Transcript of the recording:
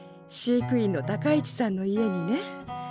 飼育員の高市さんの家にね。